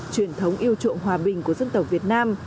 truyền thống yêu trụng hòa bình của dân tộc việt nam